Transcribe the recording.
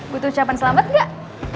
gue tuh ucapan selamat gak